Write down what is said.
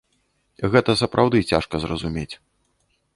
Гэта сапраўды цяжка зразумець.